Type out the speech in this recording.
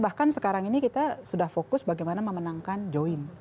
bahkan sekarang ini kita sudah fokus bagaimana memenangkan join